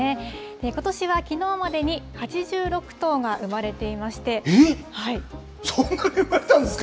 ことしはきのうまでに、８６頭がそんなに生まれたんですか？